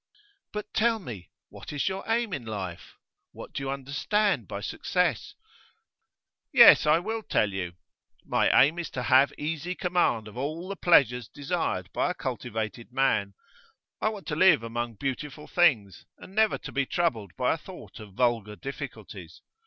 'But tell me, what is your aim in life? What do you understand by success?' 'Yes, I will tell you. My aim is to have easy command of all the pleasures desired by a cultivated man. I want to live among beautiful things, and never to be troubled by a thought of vulgar difficulties.